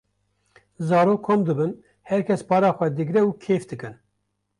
zarok kom dibin herkes para xwe digre û kêf dikin.